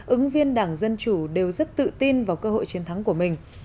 ứng viên đảng dân chủ đều rất tự tin vào cơ hội chiến thắng của mình